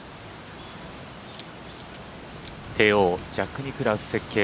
帝王ジャック・ニクラウス設計